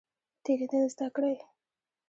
تیریدل زده کړئ